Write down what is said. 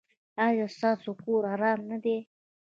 ایا ستاسو کور ارام نه دی؟